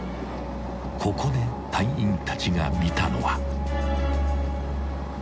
［ここで隊員たちが見たのは］